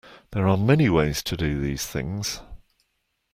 There are many ways to do these things.